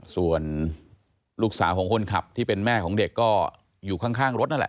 ส่วนลูกสาวของคนขับที่เป็นแม่ของเด็กก็อยู่ข้างรถนั่นแหละ